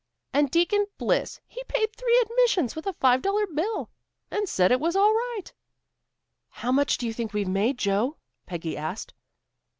And Deacon Bliss, he paid three admissions with a five dollar bill, and said it was all right." "How much do you think we've made, Joe?" Peggy asked.